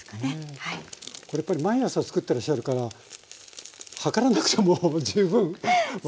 これやっぱり毎朝つくってらっしゃるから測らなくても十分分かりますよね。